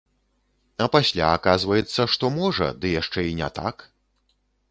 А пасля аказваецца, што можа, ды яшчэ і не так.